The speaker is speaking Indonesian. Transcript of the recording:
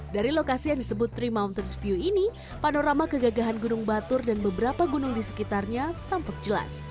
dari lokasi yang disebut tiga mountains view ini panorama kegagahan gunung batur dan beberapa gunung di sekitarnya tampak jelas